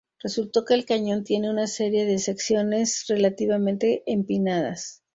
Resultó que el cañón tiene una serie de secciones relativamente empinadas.